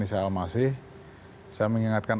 isya'al masih saya mengingatkan